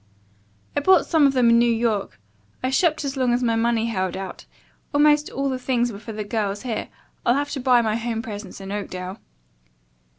"I bought some of them in New York. I shopped as long as my money held out. Almost all the things were for the girls here. I'll have to buy my home presents in Oakdale."